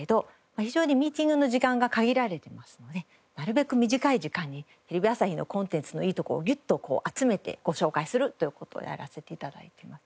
非常にミーティングの時間が限られてますのでなるべく短い時間にテレビ朝日のコンテンツのいいところをギュッと集めてご紹介するという事をやらせて頂いてます。